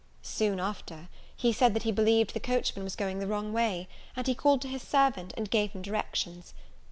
Soon after, he said that he believed the coachman was going the wrong way; and he called to his servant, and gave him directions.